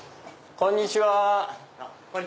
こんにちは。